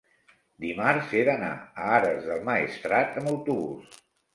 Dimarts he d'anar a Ares del Maestrat amb autobús.